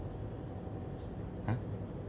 えっ？